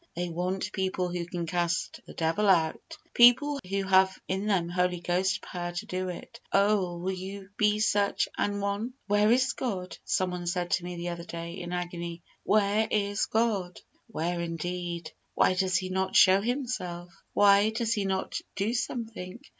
THEY WANT PEOPLE WHO CAN CAST THE DEVIL OUT people who have in them Holy Ghost power to do it. Oh! will you be such an one? "Where is God?" someone said to me the other day, in agony "Where is God?" Where, indeed! "Why does He not show Himself? Why does He not do something?"